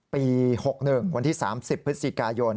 ปี๑๙๖๑วันที่๓๐ภาษาภาพสินค้ายน